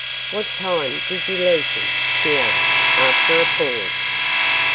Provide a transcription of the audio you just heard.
'What time did you leave him?' she asked, after a pause.